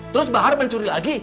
terus bahar mencuri lagi